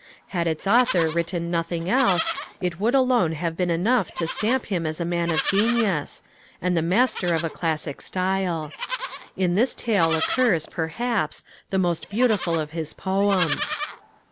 Had its author written nothing else, it would alone have been enough to stamp him as a man of genius, and the master of a classic style. In this tale occurs, perhaps, the most beautiful of his poems.